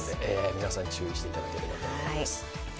皆さん注意していただければと思います。